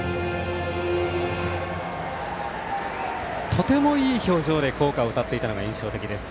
とてもいい表情で校歌を歌っていたのが印象的です。